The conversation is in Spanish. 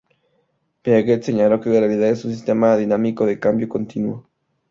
Piaget señaló que la realidad es un sistema dinámico de cambio continuo.